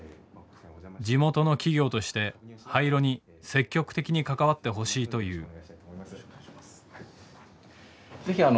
地元の企業として廃炉に積極的に関わってほしいという。